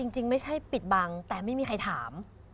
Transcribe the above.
จริงไม่ใช่ปิดบังแต่ไม่มีใครถาม